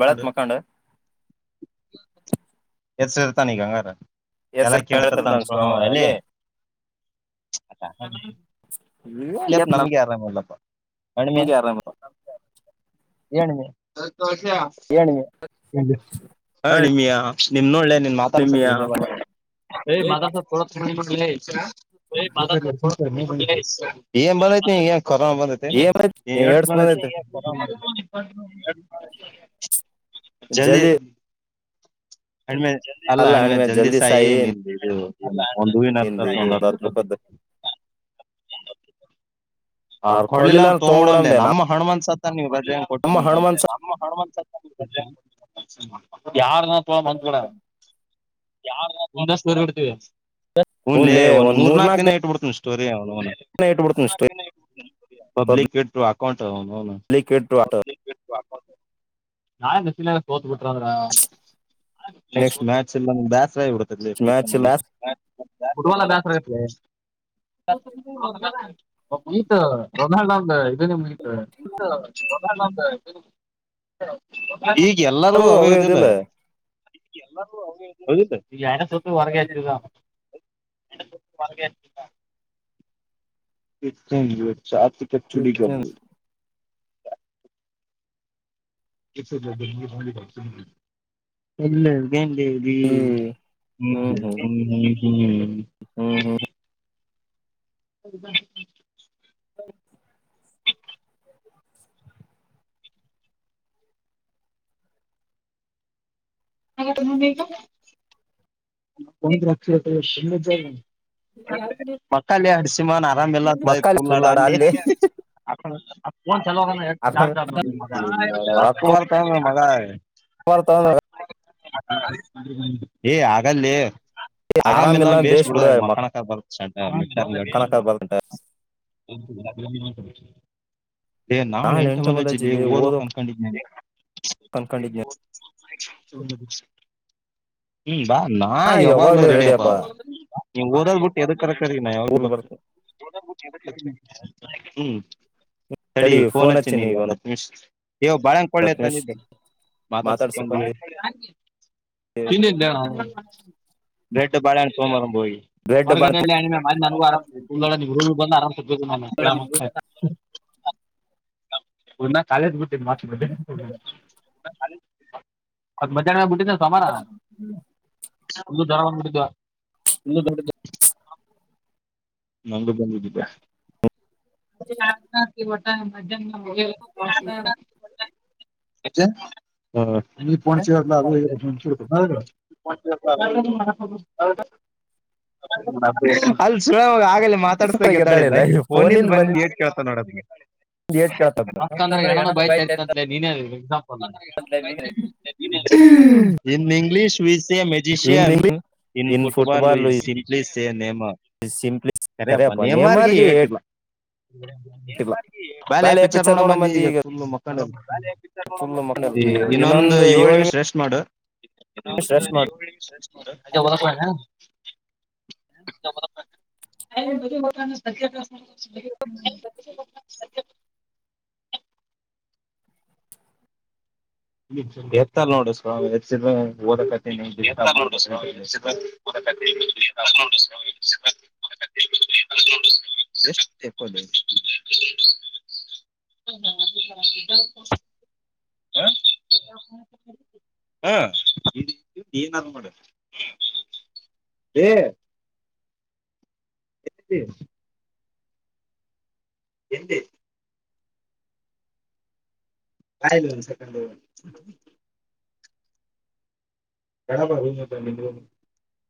ಬಳ ಹತ್ ಮಕಂಡ. ಎಚ್ಚರ್ ಇರ್ತಾನ ಈಗ ಹಂಗಾರ ಎಲ್ಲ ಕೇಳತಿರತ್ತಾನ. [unintelligible] [inaudible] ಇಲ್ಲಪ್ಪ ನಮಗೆ ಆರಾಮ ಇಲ್ಲಪ್ಪ. ನಿನಗೆ ಆಾರಾಮ ಇಲ್ಲ ಏನ್ ಲ್ಲ ಏನಿದೆ ಹ ನಿಮಿಯ ನಿನ್ನ ನೋಡ್ಲೆ ನೀನ್ ಮಾತಾಡ್ಸಕ್ಲ ಇಲ್ಲಿಗೆ ಬಂದಿರ ಏಮಾತಾಡಸಕ ಫೋನ್ ಕೊಡ್ರಲೆ ಏ ಮಾತಾಡಸಕ್ ಫೋನ್ ಕೂಡ್ ಏನ್ ಬಂದೈತಿಗಏನ್ ಕೊರೋನಾ ಬಂದೈತಿನ್ ಏಡ್ಸ್ ಬಂದೈತಿ ಜಿಲ್ಲದಿ ಹಣ್ಮೆ ಅಲ್ಲಾ ಹಣ್ಮೆ ಜಲ್ದಿ ಸಾಯ ನಿಂದು ಇದು ಒಂದು ಹೂವಿನ ಹಾರ ಒಂದು ಹತ್ತುಪ ಅವ್ರ ಕೊಡ್ಲಿಲ್ಲ ಅಂದ್ರ ತೊಗೊಂಡ ಬಿಡ ಮಲೆನಮ್ಮ ಹಣ ಮಂತ ಸ ನೀವು ಬಡ್ಡಿ ಹಂಗ್ ಕೊಟ್ಟರಅಂತೆ ನಮ್ಮ ಹಣಮಂತ ಸ ಯಾರನ್ನ ತ ಬಂದ ಕಡ ಯಾರ ತಷ್ಟ ತೋರ್ ಬಿಡ್ತೀವಿ ಹುನ್ಲೇ ಒಂದ್ ಮೂರ್ ನಾಕ್ ದಿನ ಇಟ್ಬ ಬುಡ್ತನಿ ಟು ಕೊಡ್ತು ನಿಿಸೀ ಪಬ್ಲಿಕ್ ಇಟ್ಟು ಅಕೌಂಟ್ ನಾನೇ ದಿಸ ಕೋತ ಬಿಟ್ಟಂದ್ರ ನೆಕ್ಸ್ಟ್ ಮ್ಯಾಚ್ ಎ ಬ್ಯಸ್ರ ಬಿಡತ ಈಿತ ರೊನಾಲ್ಡ ಅ [unintelligible] ಈಗ ಎಲ್ಲಾರೂ ಅವೇದಿಲ್ಲ ಎಲ್ಲಾರ ಅವವೌದಿಲ್ಲ ಈ ಎ ಸವತ್ತು ಹೊರಗೆಾರ ಇ ಚಾತಿಕಟ್ ಚುಡಿಗ ಎಲ್ಲೆ ದೇವದ ಹ್ಮ ಹ್ಮ ಹ್ಮ ಹ್ಮ ಹ್ಮ್ [unintelligible] ಹೌ [unintelligible] [inaudible] ಒಕ್ಷ ಮಕ್ಕಾಲೆ ಆಡ್ಿಸಿ ಮಾನ್ ಆರಾಮ ಎಲ್ಲ ಅಂತ ುಲ್ಲಾಡ ಅಲ್ಲಿ ಚಲ ಚಾರ್ ಚಾರ್ ರಾಜಕುಮಾರ್ ಕ ಮಜಾ ಆ ರ್ತ ಏ ಹಾಗಲ್ಲ ಆರಾಮಲ್ಲ ಬೇಸ್ ಬಿುಡಗ ಮಕ್ಕನಕ ಬರ್ತ್ತ ಸಟ ಒ ಗರಬ ನ ೇ ನಾಳೆ ಎಂಟ ಮಲಜೆ ಓರ್ವಕ್ ಅಂದಕೊಂಡಿದನೇನೆ ಹ್ಮ್ ಬಾ ನಾ ಎಾಗಲ ರೆಡಿಯಾಪಾ ನೀ್ ಓದ ಬ ಬಿಟ್ಟು ಎದಕ್ ಕರಕರಿನ ಯಾವಾಗೂ ಬ ಹ್ಮ್ ಸಡಿ ಫೋನ್ ಹಚ್ಚ ನೀ ಒಂದ್ ಹತ್ತು ನಿಮಿಷ ವು ಬಾಳಂಗ್ ಕೊಳ್ಳತ ಅಂದಿದ್ದೆ ಮಾತಾಡ್ಸಕ್ಕ ಹ [inaudible] ವರ್ಗದೆ ಮ ನನಗ ಆರಾಮ್ ಬಂದು ಆರಾಮ ಗ್ರಾಮನ್ನ ಕಾಲೇಜ ಬಿಟ್ಟ ಅ ಮ ಬಿಟ್ಟಿದೆ ಸಮಾನ ಇದು ದರವಂದು್ ಬಿಡಿದಾ ಇಲ್ಲ ದೊಡ್ಡ ನ ಬ ಒಟ್ಟ ಮ [inaudible] [unintelligible] [inaudible] ಹಾಗ ಮಾತಾಡ್ಸ್ಬೇಕು ಎ್ದಾಳಿಲ್ಲ ಫನಂದ ಬಂದಂದು ಏನ್ ಕೇಳ್ತಾ ನೋಡೋಗೆ. ಏನ್ ಕೇಳ್ತಾತ ರೊಕ್ಕ ಅಂದ್ರೆ ಹೆಣಾನು ಬಾಯ ತೇರಿತ್ ಹಾ in English. We say magician in football is simply the name. ಸರಿ ಅಪ್ಪ ನೇಮ್ಮಾರ್ಗೆ ಹೇಳ್ಟಿಲ್ಲ. [unintelligible] ಇನ್ನೊಂದು ಏಳ ನಿಮಿಷ ರೆಸ್ಟ್ ಮಾಡು. ಇನ್ನೊಂದ ಯೋಳ ನಿಮಿಷ ರೆಸ್ಟ್ ಮಾಡು ಅದೇ ಹೋಗುತ್ಲಾಗ. [inaudible] [inaudible] [unintelligible] [inaudible] ರೆಸ್ಟ್ ತಗೋಲೆ. [inaudible] ಹಾ. ನೀ ನಂದೊಂಡ. ಎಲ್ಲೆದಿ. ಎಲ್ಲಿ. ಬಾ ಇಲ್ಲಿ ಒಂದ ಸೆಕೆಂಡ್ ಹೋಗುನು. [unintelligible]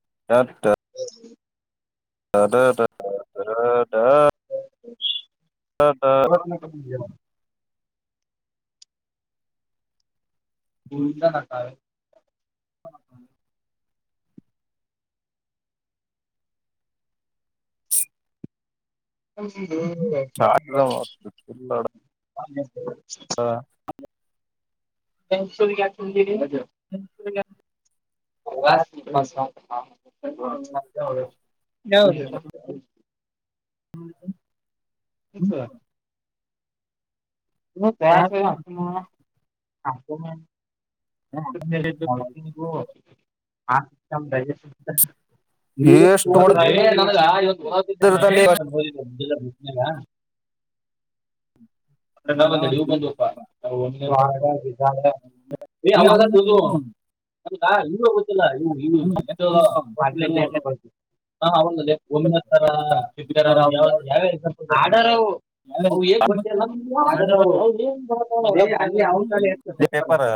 [inaudible] [inaudible] [unintelligible] [inaudible] [unintelligible] ಹ್ಮ್. [inaudible] ಹಾ. [unintelligible] [unintelligible] ಇಚ. ತ್ರಾಸ ಏನ್ ಅತ್ತಿ ಮಾವಾ. [unintelligible] ಏ ನನಗ. [inaudible] ನಂಗ ಒಂದ ಹುಡಗಿ ಬಂದಿತ್ತ ಇಲ್ಲೆ ಯಾವದನ ತಿಳ್ಕೊ. ಅ ಇವ ಗೊತ್ತಿಲ್ಲ ಇ ಇನು ಎಷ್ಟುಲೆ. ಹಾ ಹೌಲ್ಲ ಒಮ್ಮೆಥರ ಚಿರವು ಯಾವ ಯಾವಾಡವು. [unintelligible]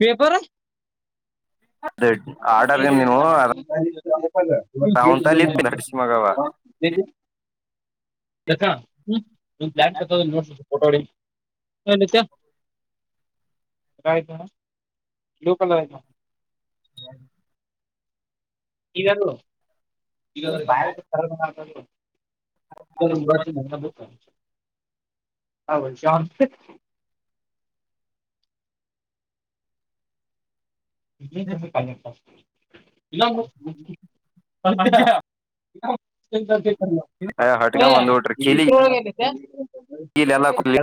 ಪೇಪರ್. ಹ ಹಾಗ [inaudible] ತಥಾ ಒಂದು ಪ್ಲಾನ್ ನೋಡ್. ಪೋಟೋ ಹೊಡಿ ಹ್ ಮತ್ತೆ. ಊಟಾ ಆಯ್ತಾ ಅಣ್ಣಾ ವಿಡಿಯೋ ಕಾಲ್ ಮಾಡ್. [inaudible] ಈಗಲ್ಲ ಈಗ ಬದು [unintelligible] ಹದು ಶಾಮ [unintelligible] ಇಲ್ಲ ಸಂಖ್ಯಾ ಇ [unintelligible] ಈಲೆ ಎಲ್ಲ ಕುಲ್ಲಿ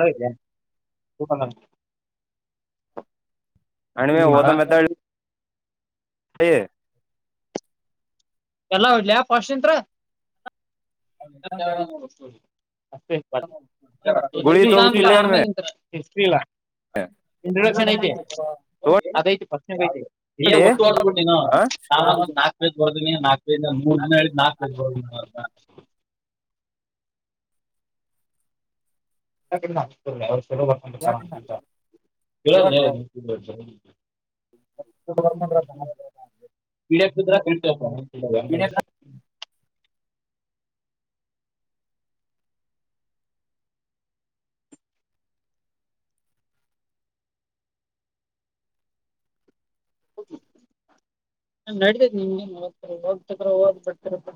[unintelligible] ಹ ಎಲ್ಲಲಿ ಪಶ್ಚನ್ ತ ಅಷ್ಟ ಬ ಹಟ್ರಿ ಇಂಟ್ರೊಡಕ್ಷನ್ ಐತೆ ಅದಐತೆ ಫಕ್ಷನ್ ಐತೆ ಒಟ್ಟು ಹೊರ್ದ್ಬಿಟ್ಟ ನ ನ ನಾಲ್ಕೈ ಬರ್ ನಾಲ್ಕೈದು ಮೂರು ದನ ಹೇಳಿದ ನಾಕೈದು ಹ ಅವರ್ ಕ್ರಡಕ್ಷ್ಷತ್ರ ಇಳ್ತ ಮದ [inaudible] ನಡತದ ನೀ ಹ್ತ ಹೋಗ್ತ್ರ ಹದ ಬತ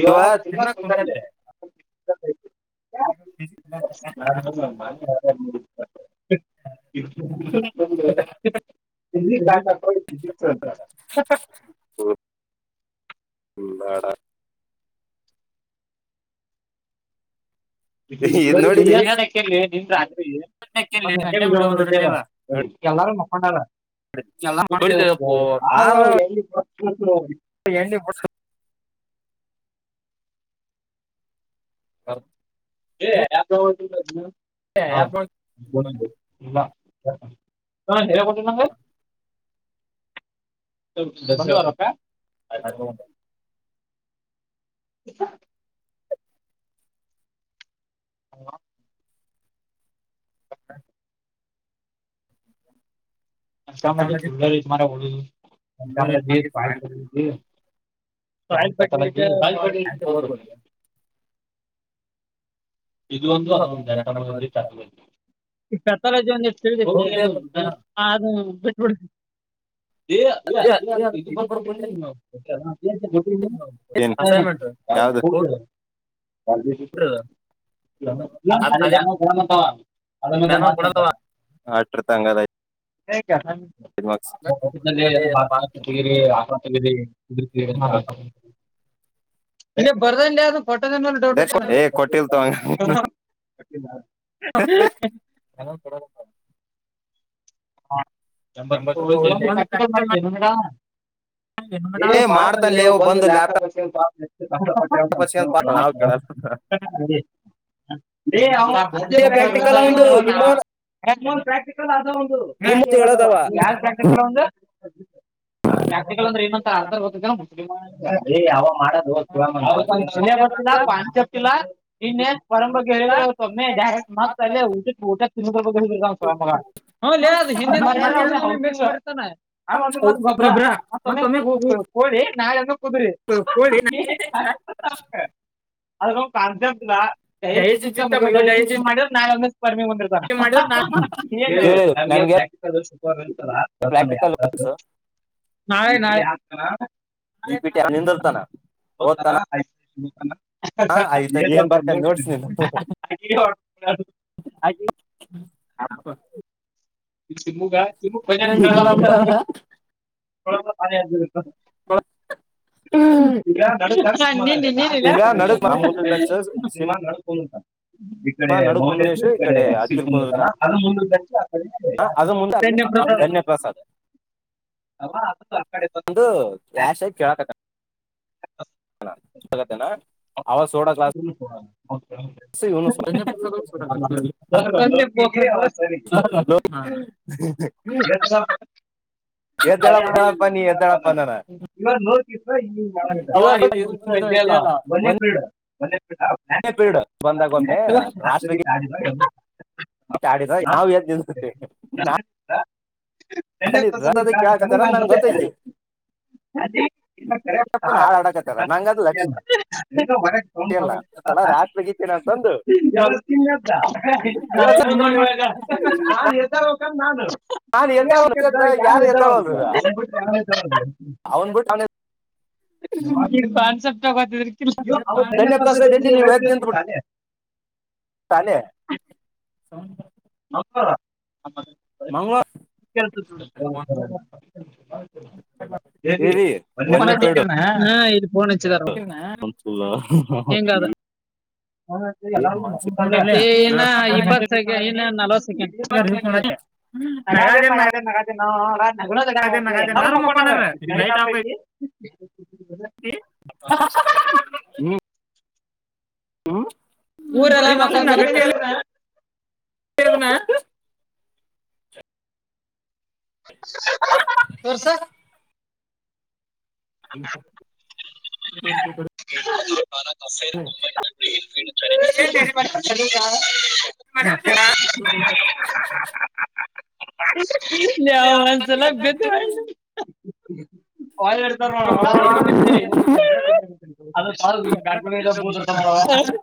ಇವಾಗ ತಿವ ಕಂತ ನಾಮ ತ ಮಾ [unintelligible] ಇಂಗ್ಲಿಷ್ ಭಾಷಾ ಕಡಿ ಸಿಂತ ಹ್ಮ ಹ್ಮ ಬೇಡ ಇದೋಡಿ ಬೇಯತ್ನ ಕೇಳ ನಿನ್ ರಾತ್ರಿ ನೆಜ್ ನೋಡಿದ್ದೇ ನೋಡಿ ಎಲ್ಲಾರು [unintelligible] [inaudible] ಹ ಹಾ [unintelligible] ಕೊಟ್ಟ ನಂಗ [inaudible] ಅ [unintelligible] [inaudible] ಹವಾ ಹ್ಮ ಮಂಚಾಮ ಕುಲ್ಲ್ಲ ಒಡ ಮಚಾಮ ಸ್ಫೈ [unintelligible] ಇದು ಒಂದು ಅದೊಂದು ದಟರ ಪೆಲಜಿ ಈ ಪೆಥಾಲಜಿ ಅಂದ ಅದು ಬಿಟ್ಟಬಡು [unintelligible] ಯಾವಾಗ್ ಬೇಕಿತ್ತು ಅದೇ ನನಗೊಂದ್ ಫೋನ್ ಬಂತು [unintelligible] ಕಡಮ ತ ಅದೇಲೆ ಮಾತ್ರ ಬಗ [inaudible] [unintelligible] ಅ ಬರ್ದ ಅ ಹೊಟ್ಟೋದ ಡೌಟ್ಐತೆನ [unintelligible] ಹ ಎಂಬತ್ತು ರೂಪಾಯಿಂದು ಕಟ್ಟ ಮಾಡ ನಿಂಗಡ ಮಾಡಕ ಇವ ಬಂದ ನಕಾ ಪೆ ಪ [unintelligible] ಪ್ರಕ್ಟಿಕಲ್ ಆದುು ಅದ್ಕೆ ಹೇಳದವ ಯಾರ್ ಪ್ರ್ಯಾಕ್ಟಿಕಲ್ [unintelligible] ಒಂದು ಪ್ರ್ಯಾಕ್ಟಿಕಲ್ ಅಂದ್ರೆ ಏನಂತ ಆರ್ತ ಗೊತ್ತದೇನು ಏ ಅವ ಮಾಡದು [unintelligible] ಗೊತ್ತಿಲ್ಲ ಕಾನ್ಸೆಪ್ಟ್ ಗೊತ್ತಿಲ್ಲ ಇನ್ನೇನ್ ಪರಂಂಬ ಹೇಳ ತ ಡಕ್ಟ್ಸ್ಟ ತಿ ಸ್ವ ಹ [unintelligible] [unintelligible] ಹ ಆ ಅ ಮತ್ತ ಕುಂದ್ರಿ [unintelligible] ಅಲೊ ಕಾನ್ಸೆಪ್ಟ್ನ [unintelligible] ಪರ್ಮಿ ಹೊಂದಿರ್ತಾನ ನಮಗೆ [unintelligible] ಶಪ ಹ ಹ [unintelligible] ನಿಂದರತಾನ ಹಾ ಆಯ್ತಾ ಏನ್ ಬರ್ತ ನೋಡ್ಸನಿ ಆಯ್ತು ಹ [unintelligible] [unintelligible] [unintelligible] ನಿಮ್ಮಫೋನ್ಟ ಇಕಡೆ [unintelligible] ಹಾ ಅದು ಮುಂದೆ [unintelligible] ಒಂದು [unintelligible] ಕೇಳಕತ ಹಣ [unintelligible] ಹ ಸ [inaudible] [inaudible] ಹ್ಮ ಹ ಎದ್ದೊಳಪ್ಪ ನೀ ಎದ್ದೊಳಪ್ಪ ಅಂದಾನೆ. [unintelligible] ಹ ಚ [inaudible] ನಾವವು ಎ ದನ್ಸುತ್ತೆ ಎಲ್ಲ ಪಸ ಕಲ್ಲ ನಾತೆ ಮ ಕ [unintelligible] [unintelligible] ನಾನ್ ಎದಾಗಬೇಕಂದ ನಾನು ಯಾಕ್ದ ಯಾರು ಎದ್ದ [unintelligible] ಅವನ್ಬಿಟ್ಟು ಕಾನ್ಸೆಪ್ಟ್ ತಗೋತಿದ್ರಿ ಅವ ತನೆ ಪ ಬ ವಪ ತ ಊಟ [unintelligible] ಹ ಆ [unintelligible] ಹ [inaudible] ಒನ್ನೇ ಪಿರ್ಡು [unintelligible] ಹಾ ಹ ಹ ಏನ ಇಪ್ಪತ್ ಇನ್ನ ನಲವತ್ ಸೆಕೆಂಡ್ ನಗಾಡ್ದೆ ನಾಗಾದೆ ನ ನ ಗೋದ ಎಲ್ಲ ರೂಮ ಪಾರೆ ಜ [unintelligible] [unintelligible] ಹ್ಮ್ ಹ್ಮ್ [unintelligible] ಸೇಣ [unintelligible] ತೋರ್ಸು ಹ [inaudible] [inaudible] ಹ [inaudible] [inaudible] [inaudible] [inaudible]